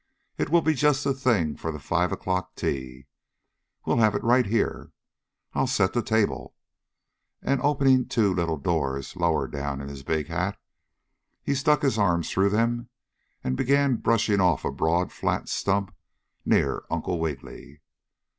"It will be just the thing for the 5 o'clock tea. We'll have it right here I'll set the table," and opening two little doors lower down in his big hat, he stuck his arms through them and began brushing off a broad, flat stump near Uncle Wiggily.